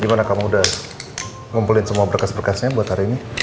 gimana kamu udah ngumpulin semua berkas berkasnya buat hari ini